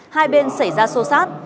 hai bên xảy ra xô xát